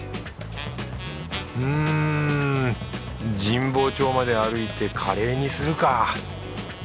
うん神保町まで歩いてカレーにするか